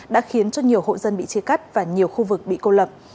đã khiến cho nhiều hộ dân bị chia cắt và nhiều khu vực bị cô lập